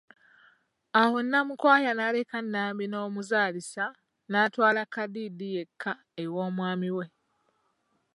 Awo Namukwaya n'aleka Nambi n'omuzaalisa, n'atwala Kadiidi yekka ew'omwami we.